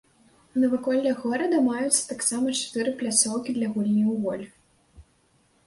У наваколлях горада маюцца таксама чатыры пляцоўкі для гульні ў гольф.